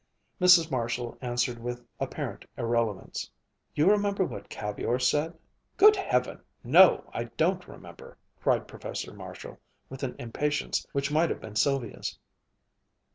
Mrs. Marshall answered with apparent irrelevance, "You remember what Cavour said?" "Good Heaven! No, I don't remember!" cried Professor Marshall, with an impatience which might have been Sylvia's.